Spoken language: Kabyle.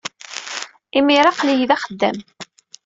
Imir-a aql-iyi d axeddam.